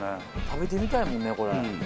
食べてみたいもんねこれ。